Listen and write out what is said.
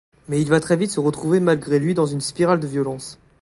Mais il va très vite se retrouver malgré lui dans une spirale de violence.